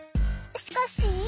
しかし。